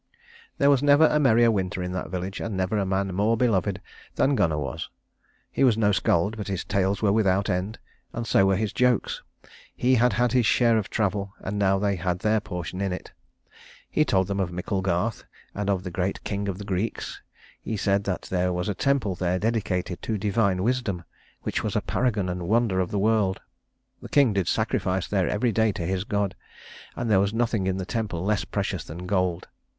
There was never a merrier winter in that village, and never a man more beloved than Gunnar was. He was no skald, but his tales were without end, and so were his jokes. He had had his share of travel, and now they had their portion in it. He told them of Micklegarth and of the great King of the Greeks. He said that there was a temple there dedicated to divine wisdom, which was a paragon and wonder of the world. The King did sacrifice there every day to his god and there was nothing in the temple less precious than gold.